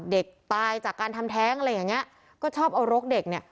เด็กตายจากการทำแท้งอะไรอย่างเงี้ยก็ชอบเอารกเด็กเนี่ย